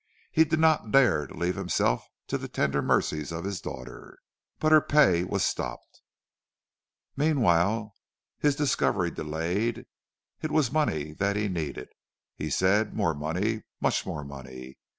He did not dare to leave himself to the tender mercies of his daughters. But her pay was stopped. "Meanwhile his discovery delayed. It was money that he needed, he said, more money, much more money.